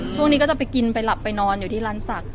ช่วงนี้ก็จะไปกินไปหลับไปนอนอยู่ที่ร้านศักดิ